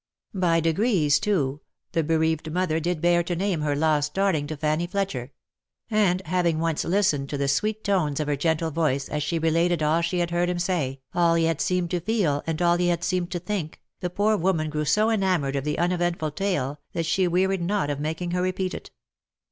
By degrees, too, the bereaved mother did bear to name her lost darling to Fanny Fletcher ; and having once listened to the sweet tones of her gentle voice, as she related all she had heard him say, all he had seemed to feel, and all he had seemed to think, the poor woman grew so enamoured of the uneventful tale, that she wearied not of making her repeat it.